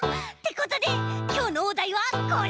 ことできょうのおだいはこれ！